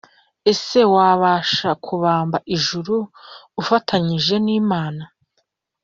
Ese wabasha kubamba ijuru ufatanije n Imana